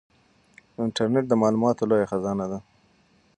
انټرنیټ د معلوماتو لویه خزانه ده.